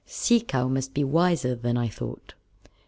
"Sea Cow must be wiser than I thought.